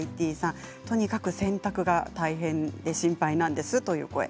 とにかく洗濯が大変で心配なんですという声。